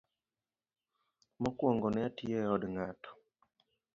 Mokwongo ne otiyo e od ng'ato.